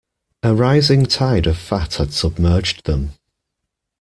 A rising tide of fat had submerged them.